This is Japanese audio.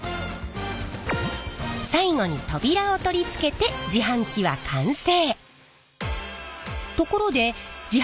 最後に扉を取り付けて自販機は完成！